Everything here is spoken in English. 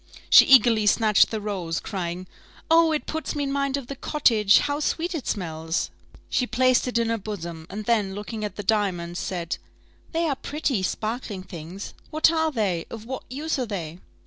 She eagerly snatched the rose, crying, "Oh! it puts me in mind of the cottage: how sweet it smells!" She placed it in her bosom, and then, looking at the diamonds, said, "They are pretty, sparkling things what are they? of what use are they?"